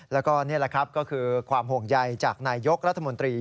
แล้วก็นี่แหละครับก็คือความห่วงใยจากนายยกรัฐมนตรี